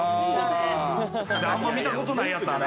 あんま見たことないやつある。